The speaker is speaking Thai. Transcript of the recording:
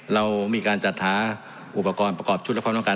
เรามีการจัดหาอุปกรณ์ประกอบชุดและความต้องการ